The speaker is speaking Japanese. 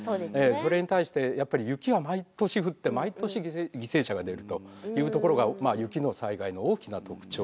それに対してやっぱり雪は毎年降って毎年犠牲者が出るというところが雪の災害の大きな特徴ですね。